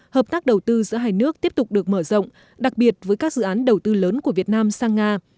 hợp tác đầu tư giữa hai nước tiếp tục được mở rộng đặc biệt với các dự án đầu tư lớn của việt nam sang nga